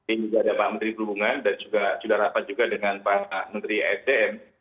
ini juga ada pak menteri perhubungan dan juga sudah rapat juga dengan pak menteri sdm